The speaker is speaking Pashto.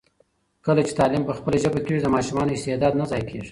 کله چي تعلیم په خپله ژبه کېږي، د ماشومانو استعداد نه ضایع کېږي.